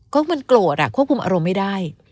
ก็มันโกรธอ่ะควบคุมอารมณ์ไม่ได้